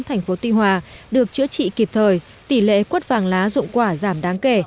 thành phố tuy hòa được chữa trị kịp thời tỷ lệ quất vàng lá dụng quả giảm đáng kể